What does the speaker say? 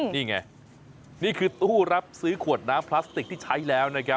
นี่ไงนี่คือตู้รับซื้อขวดน้ำพลาสติกที่ใช้แล้วนะครับ